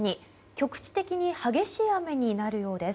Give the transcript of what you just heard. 局地的に激しい雨になるようです。